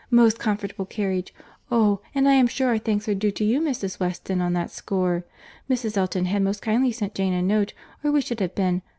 Most comfortable carriage.—Oh! and I am sure our thanks are due to you, Mrs. Weston, on that score. Mrs. Elton had most kindly sent Jane a note, or we should have been.